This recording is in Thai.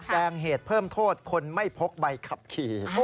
แจ้งเหตุเพิ่มโทษคนไม่พกใบขับขี่